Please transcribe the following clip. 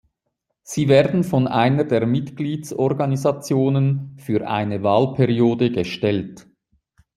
Sie werden von einer der Mitgliedsorganisationen für eine Wahlperiode gestellt.